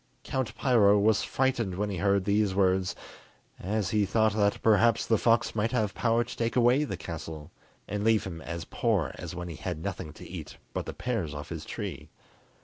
Count Piro was frightened when he heard these words, as he thought that perhaps the fox might have power to take away the castle, and leave him as poor as when he had nothing to eat but the pears off his tree.